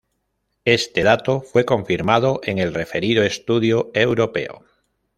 Este dato fue confirmado en el referido Estudio Europeo.